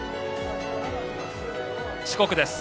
四国です。